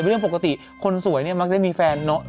เรื่องปกติคนสวยเนี่ยมักจะมีแฟนเนอะ